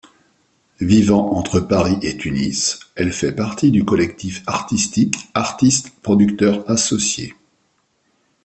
Vivant entre Paris et Tunis, elle fait partie du collectif artistique Artistes Producteurs Associés.